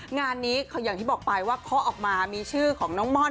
งานนี้อย่างที่บอกไปว่าเคาะออกมามีชื่อของน้องม่อน